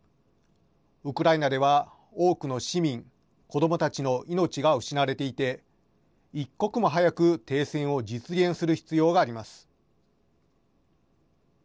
ウクライナでは多くの市民、子どもたちの命が失われていて、一刻も早く停戦を実現する必要があります。